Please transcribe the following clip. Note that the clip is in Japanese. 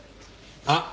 あっ！